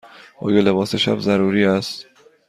آیا لباس شب ضروری است؟